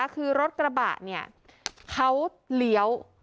คือรถกระบะเขาเลี้ยว